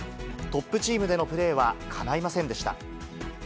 トップチームでのプレーはかないませんでした。